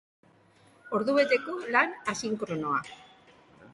Ordubeteko lan asinkronoa.